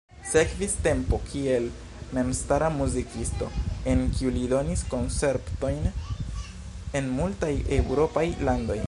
Sekvis tempo kiel memstara muzikisto, en kiu li donis koncertojn en multaj eŭropaj landoj.